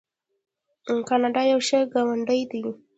کاناډا یو ښه ګاونډی دی.